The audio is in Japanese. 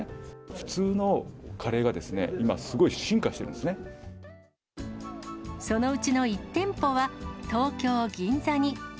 普通のカレーが今、そのうちの１店舗は東京・銀座に。